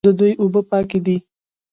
د دوی اوبه پاکې دي.